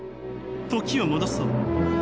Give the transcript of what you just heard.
時を戻そう。